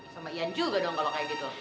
sama ian juga dong kalau kayak gitu